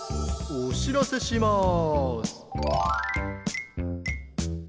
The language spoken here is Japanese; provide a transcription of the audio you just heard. おしらせします。